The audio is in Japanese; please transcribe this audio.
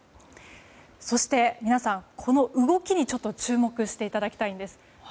そして、皆さん、この動きに注目していただきたいです。